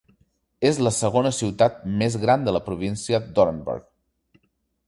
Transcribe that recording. És la segona ciutat més gran de la província d'Orenburg.